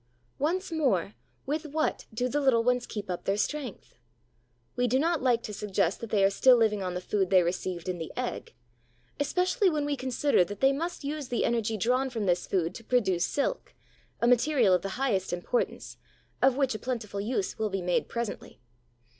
Once more, with what do the little ones keep up their strength? We do not like to suggest that they are still living on the food they received in the egg, especially when we consider that they must use the energy drawn from this food to produce silk, a material of the highest importance, of which a plentiful use will be made presently.